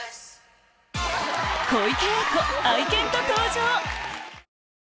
小池栄子愛犬と登場！